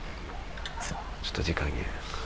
ちょっと時間切れです。